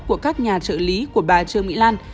của các nhà trợ lý của bà trương mỹ lan